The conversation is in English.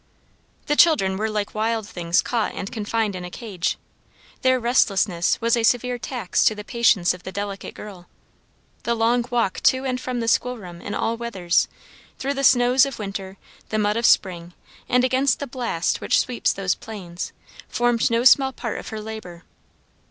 The children were like wild things caught and confined in a cage. Their restlessness was a severe tax to the patience of the delicate girl. The long walk to and from the school room in all weathers, through the snows of winter, the mud of spring, and against the blast which sweeps those plains, formed no small part of her labor.